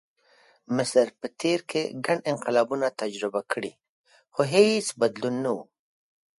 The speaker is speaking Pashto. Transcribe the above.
مصر په تېر کې ګڼ انقلابونه تجربه کړي، خو هېڅ بدلون نه و.